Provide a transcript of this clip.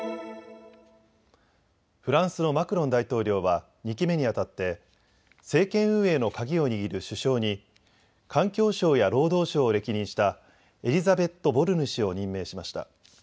フランスのマクロン大統領は２期目にあたって政権運営のカギを握る首相に環境相や労働相を歴任したエリザベット・ボルヌ氏を任命しました。